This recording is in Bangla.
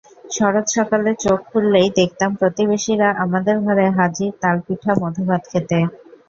শরৎ সকালে চোখ খুললেই দেখতাম প্রতিবেশিরা আমাদের ঘরে হাজির তালপিঠা-মধুভাত খেতে।